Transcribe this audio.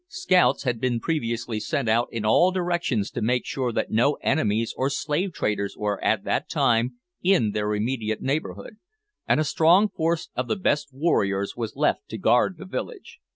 Scouts had been previously sent out in all directions to make sure that no enemies or slave traders were at that time in their immediate neighbourhood, and a strong force of the best warriors was left to guard the village.